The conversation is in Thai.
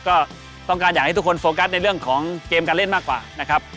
ก็ต้องการอยากให้ทุกคนโฟกัสในเรื่องของเกมการเล่นมากกว่านะครับ